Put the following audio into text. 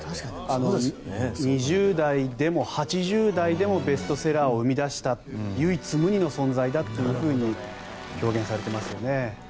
２０代でも８０代でもベストセラーを生み出した唯一無二の存在だというふうに表現されていますよね。